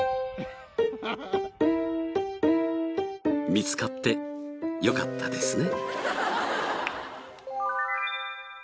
見つかってよかったですね。